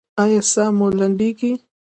ایا ساه مو لنډیږي؟